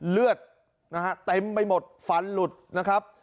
เลือดนะฮะเต็มไปหมดฟันหลุดนะครับ